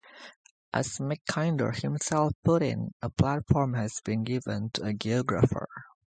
As Mackinder himself put it, "a platform has been given to a geographer".